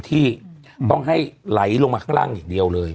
ที่ต้องให้ไหลลงมาข้างล่างอย่างเดียวเลย